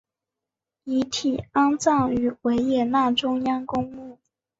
遗体安葬于维也纳中央公墓。